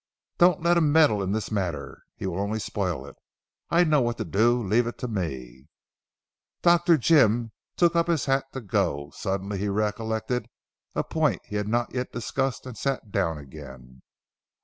"Don't let him meddle in this matter. He will only spoil it. I know what to do. Leave it to me." Dr. Jim took up his hat to go. Suddenly he recollected a point he had not yet discussed and sat down again.